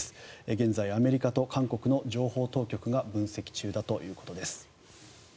現在アメリカと韓国の情報当局が分析中だということです。